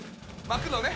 巻くのね